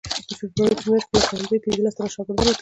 د فبروري په میاشت کې له پوهنځیو پنځلس تنه شاګردان وتښتېدل.